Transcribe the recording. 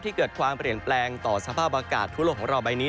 เกิดความเปลี่ยนแปลงต่อสภาพอากาศทั่วโลกของเราใบนี้